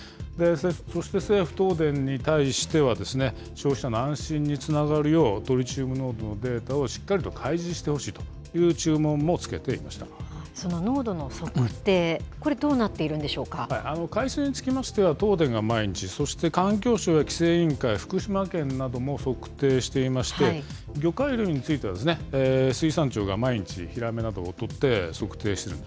そして政府、東電に対しては、消費者の安心につながるよう、トリチウム濃度のデータをしっかりと開示してほしいという注文もその濃度の測定、これ、どう海水につきましては、東電が毎日、そして環境省や規制委員会、福島県なども測定していまして、魚介類については、水産庁が毎日、ヒラメなどを取って測定しているん